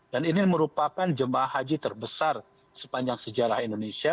dan ini merupakan jembat haji terbesar sepanjang sejarah indonesia